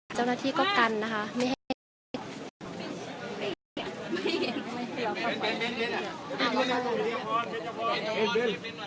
เจ้าหน้าที่ก็กันนะคะไม่ให้ชีวิต